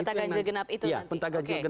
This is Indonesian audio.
kita ganjil genap itu nanti